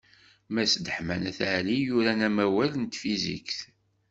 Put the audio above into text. Mass Deḥman At Ɛli i yuran amawal n tfizikt.